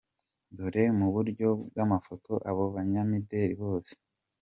Dore mu buryo bw’amafoto abo banyamideli bose.